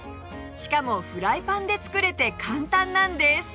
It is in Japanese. しかもフライパンで作れて簡単なんです！